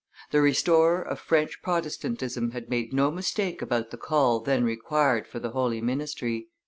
The restorer of French Protestantism had made no mistake about the call then required for the holy ministry.